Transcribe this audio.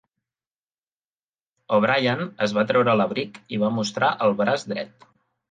O'Brien es va treure l'abric i va mostrar el braç dret.